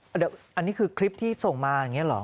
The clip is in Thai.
อันนี้คือคลิปที่ส่งมาอย่างนี้เหรอ